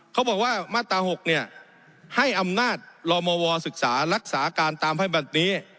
เขาบอกว่ามาตรา๖เนี่ยให้อำนาจลมวศึกษารักษาการตามให้บัตรนี้